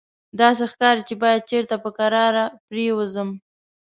داسې ښکاري چې باید چېرته په کراره پرېوځم.